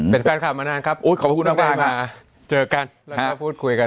เป็นแฟนคลับมานานครับขอบคุณมากค่ะเจอกันแล้วก็พูดคุยกัน